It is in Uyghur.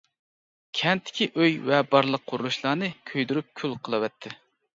كەنتتىكى ئۆي ۋە بارلىق قۇرۇلۇشلارنى كۆيدۈرۈپ كۈل قىلىۋەتتى.